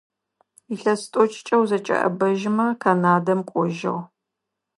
Илъэс тIокIкIэ узэкIэIэбэжьмэ Канадэм кIожьыгъ.